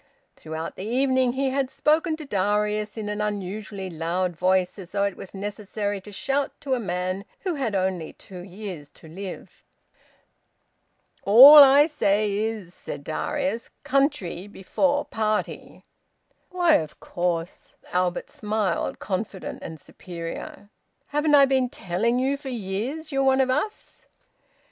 Throughout the evening he had spoken to Darius in an unusually loud voice, as though it was necessary to shout to a man who had only two years to live. "All I say is," said Darius, "country before party!" "Why, of course!" Albert smiled, confident and superior. "Haven't I been telling you for years you're one of us?"